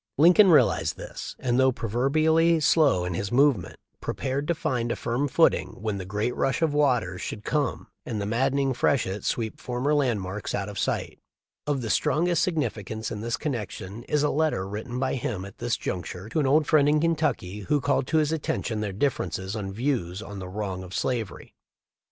Lincoln realized this and, though pro verbially slow in his movements, prepared to find a firm footing when the great rush of waters should come and the maddening freshet sweep former landmarks out of sight. Of the strongest signifi cance in this connection is a letter written by him at this juncture to an old friend in Kentucky,* who called to his attention their differences of views on the wrong of slavery.